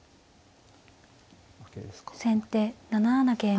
先手７七桂馬。